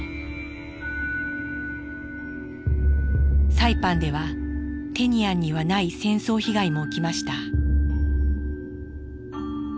サイパンではテニアンにはない戦争被害も起きました。